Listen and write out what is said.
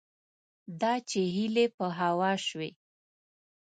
دا چې هیلې په هوا شوې